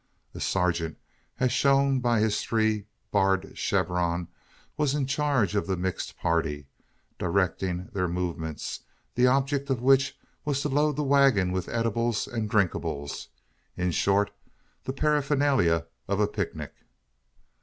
A sergeant, as shown by his three barred chevron, was in charge of the mixed party, directing their movements; the object of which was to load the waggon with eatables and drinkables in short, the paraphernalia of a pic nic.